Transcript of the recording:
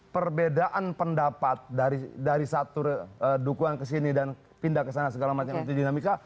perbedaan pendapat dari satu dukungan kesini dan pindah ke sana segala macam itu dinamika